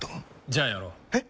じゃあやろう。え？